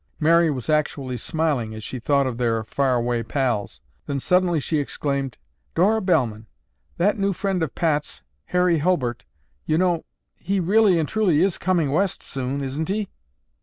Mary was actually smiling as she thought of their far away pals. Then suddenly she exclaimed, "Dora Bellman, that new friend of Pat's, Harry Hulbert, you know; he really and truly is coming West soon, isn't he?"